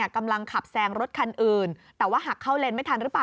กำลังขับแซงรถคันอื่นแต่ว่าหักเข้าเลนไม่ทันหรือเปล่า